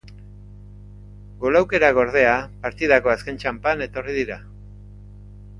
Gol aukerak, ordea, partidako azken txanpan etorri dira.